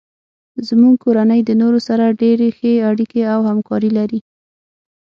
زمونږ کورنۍ د نورو سره ډیرې ښې اړیکې او همکاري لري